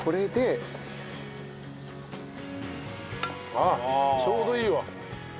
ああちょうどいいわ。